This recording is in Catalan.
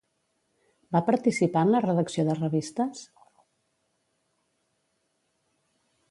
Va participar en la redacció de revistes?